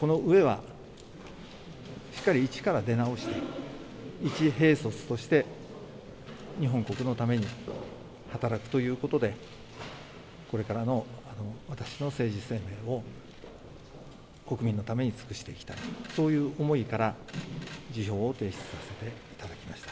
この上は、しっかり一から出直して、一兵卒として、日本国のために働くということで、これからの私の政治生命を国民のために尽くしていきたい、そういう思いから辞表を提出させていただきました。